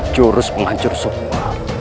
jurus melancur semua